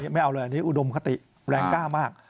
ไม่เอาเลยอันนี้อุดมคติแรงกล้ามาก